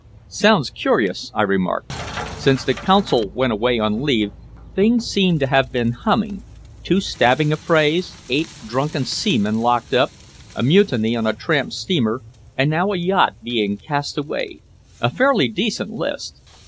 "Sounds curious," I remarked. "Since the Consul went away on leave things seem to have been humming two stabbing affrays, eight drunken seamen locked up, a mutiny on a tramp steamer, and now a yacht being cast away a fairly decent list!